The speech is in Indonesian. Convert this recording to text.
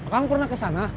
kamu pernah ke sana